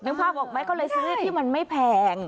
นึกภาพบอกไหมเขาเลยซื้อที่มันไม่แพง